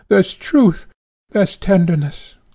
there's truth! there's tenderness!